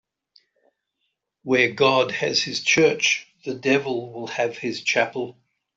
Where God has his church, the devil will have his chapel.